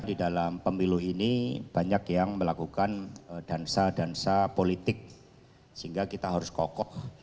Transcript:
di dalam pemilu ini banyak yang melakukan dansa dansa politik sehingga kita harus kokoh